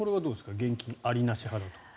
現金、ありなし派だと。